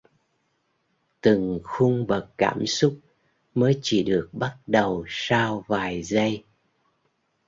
Từng khung bậc cảm xúc mới chỉ được bắt đầu sau vài giây